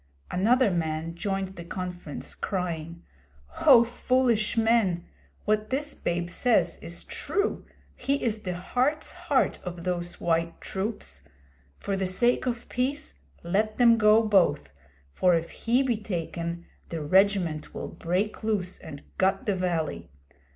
Another man joined the conference, crying: 'O foolish men! What this babe says is true. He is the heart's heart of those white troops. For the sake of peace let them go both, for if he be taken, the regiment will break loose and gut the valley.